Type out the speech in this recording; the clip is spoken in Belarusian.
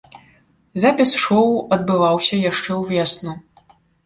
Запіс шоу адбываўся яшчэ ўвесну.